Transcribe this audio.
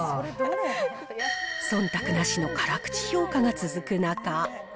そんたくなしの辛口評価が続く中。